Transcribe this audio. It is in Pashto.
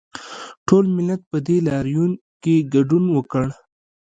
ټول ملت په دې لاریون کې ګډون وکړ